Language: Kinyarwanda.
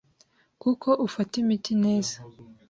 kuko ufata imiti neza